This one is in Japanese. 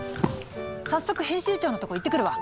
早速編集長のとこ行ってくるわ。